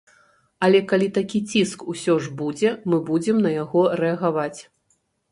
Але калі такі ціск усё ж будзе, мы будзем на яго рэагаваць.